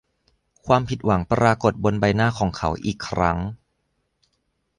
ความผิดหวังปรากฎบนใบหน้าของเขาอีกครั้ง